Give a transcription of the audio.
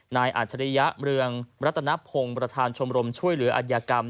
อาจริยะเมืองรัตนพงศ์ประธานชมรมช่วยเหลืออัธยกรรม